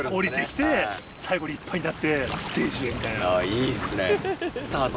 いいですね。